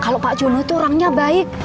kalau pak juno itu orangnya baik